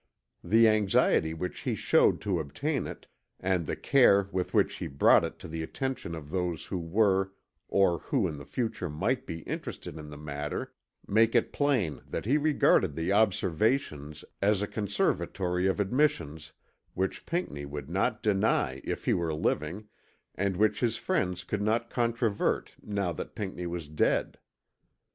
The anxiety which he showed to obtain it, and the care with which he brought it to the attention of those who were or who in the future might be interested in the matter make it plain that he regarded the Observations as a conservatory of admissions which Pinckney would not deny if he were living, and which his friends could not controvert now that Pinckney was dead.